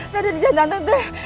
rada di jantan nanti